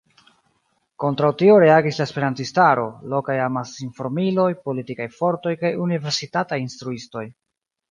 Kontraŭ tio reagis la esperantistaro, lokaj amasinformiloj, politikaj fortoj kaj universitataj instruistoj.